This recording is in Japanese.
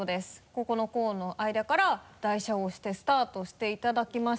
ここのコーンのあいだから台車を押してスタートしていただきまして。